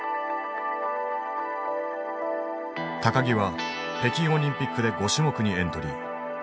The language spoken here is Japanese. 木は北京オリンピックで５種目にエントリー。